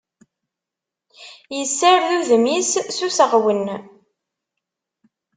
Issared udem-is s useɣwen.